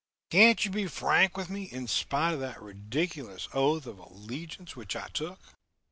Can't you be frank with me, in spite of that ridiculous oath of allegiance which I took?"